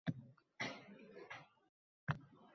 Ammo shuhratparast bu gapni eshitmadi.